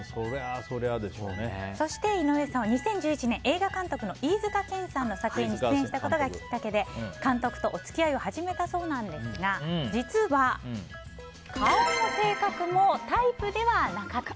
井上さんは２００１年映画監督の飯塚健監督の作品に出演したことがきっかけで監督とお付き合いを始めたそうなんですが実は、顔も性格もタイプではなかった。